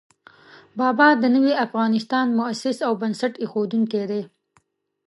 بابا د نوي افغانستان مؤسس او بنسټ اېښودونکی دی.